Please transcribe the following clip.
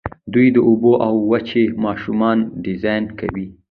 دوی د اوبو او وچې ماشینونه ډیزاین کوي.